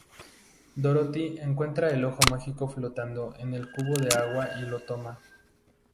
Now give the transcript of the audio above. Dorothy encuentra el ojo mágico flotando en el cubo de agua, y lo toma.